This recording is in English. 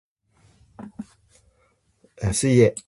Uh, see ya!